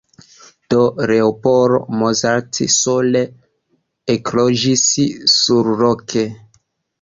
Do Leopold Mozart sole ekloĝis surloke.